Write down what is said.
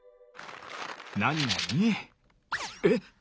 えっ！